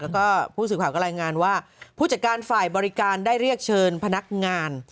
แล้วก็ผู้สื่อข่าวก็รายงานว่าผู้จัดการฝ่ายบริการได้เรียกเชิญพนักงาน